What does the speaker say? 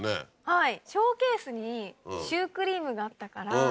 はい。